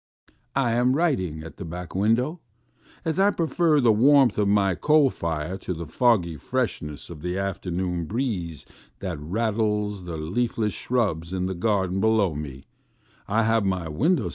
I am writing at a back window. As I prefer the warmth of my coal fire to the foggy freshness of the afternoon breeze that rattles the leafless shrubs in the garden below me, I have my window FROM A BACK WINDOW.